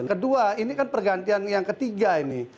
kedua ini kan pergantian yang ketiga ini